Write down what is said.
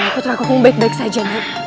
aku terlaku kumbek bek saja nek